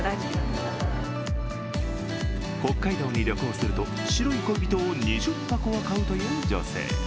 北海道に旅行すると白い恋人を２０箱は買うという女性。